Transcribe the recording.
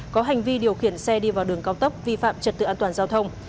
có hành vi điều khiển xe đi vào đường cao tốc vi phạm trật tự an toàn giao thông